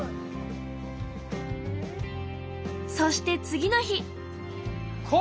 そして次の日。